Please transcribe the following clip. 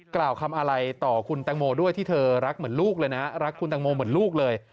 กล่าวคำอะไรต่อคุณแตงโมด้วยที่เธอรักเหมือนลูกเลยนะรักคุณตังโมเหมือนลูกเลย